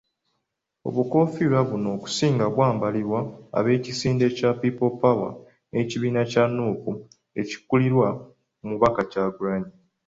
Obukoofiira buno okusinga bwambalwa ab'ekisinde kya People Power n'ekibiina kya Nuupu ekikulirwa Omubaka Kyagulanyi.